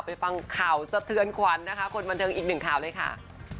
ไปฟังข่าวเชื้อนควันนะคะคุณบันเติมอีกหนึ่งข่าวเลยค่า